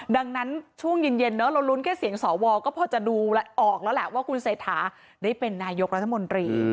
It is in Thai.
ดังนั้นช่วงเย็นเรารุ้นแค่เสียงสวก็พอจะดูออกแล้วแหละว่าคุณเศรษฐาได้เป็นนายกรัฐมนตรี